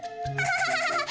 ハハハハハ。